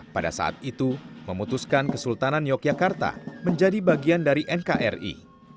pada saat itu memutuskan kesultanan yogyakarta menjadi bagian dari nkri